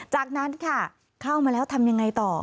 จากนั้นค่ะเข้ามาแล้วทำยังไงต่อ